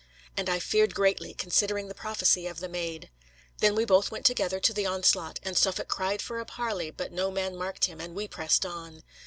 And I feared greatly, considering the prophecy of the Maid. Then we both went together to the onslaught; and Suffolk cried for a parley, but no man marked him, and we pressed on.